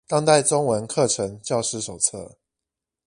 當代中文課程教師手冊